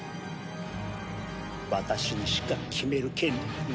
私にしか決める権利はない。